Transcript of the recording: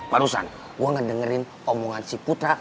barusan gue ngedengerin omongan si putra